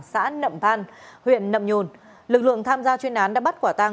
xã nậm than huyện nậm nhôn lực lượng tham gia chuyên án đã bắt quả tang